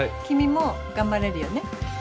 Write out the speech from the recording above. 君も頑張れるよね？